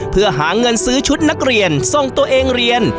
เพื่อหาเงินซื้อชุดนักเรียนส่งตัวเองเรียน